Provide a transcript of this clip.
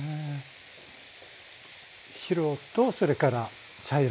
白とそれから茶色の。